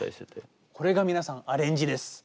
これが皆さんアレンジです。